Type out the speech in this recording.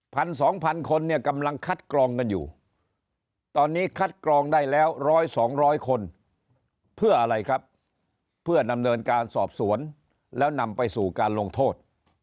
สองพันคนเนี่ยกำลังคัดกรองกันอยู่ตอนนี้คัดกรองได้แล้วร้อยสองร้อยคนเพื่ออะไรครับเพื่อดำเนินการสอบสวนแล้วนำไปสู่การลงโทษ